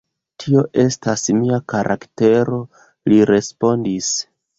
Tia estas mia karaktero, li respondis.